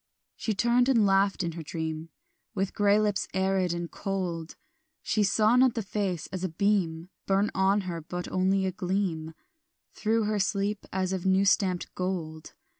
She turned and laughed in her dream With grey lips arid and cold; She saw not the face as a beam Burn on her, but only a gleam Through her sleep as of new stamped gold.